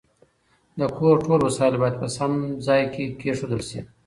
د کور ټول وسایل باید په سم ځای کې کېښودل شي.